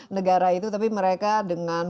negara itu tapi mereka dengan